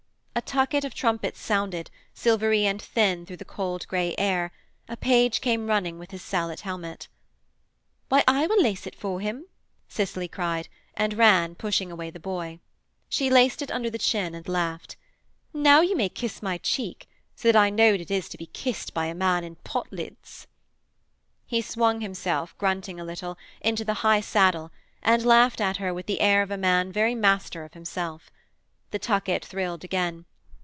A tucket of trumpets sounded, silvery and thin through the cold grey air: a page came running with his sallete helmet. 'Why, I will lace it for him,' Cicely cried, and ran, pushing away the boy. She laced it under the chin and laughed. 'Now you may kiss my cheek so that I know what it is to be kissed by a man in potlids!' He swung himself, grunting a little, into the high saddle and laughed at her with the air of a man very master of himself. The tucket thrilled again.